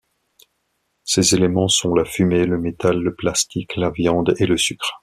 Ces éléments sont la fumée, le métal, le plastique, la viande et le sucre.